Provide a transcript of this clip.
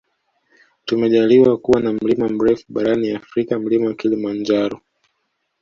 Tumejaliwa kuwa na mlima mrefu barani afrika mlima kilimanjaro